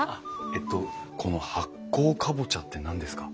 えとこの発酵カボチャって何ですか？